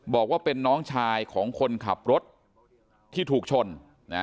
บอกว่าเป็นน้องชายของคนขับรถที่ถูกชนนะ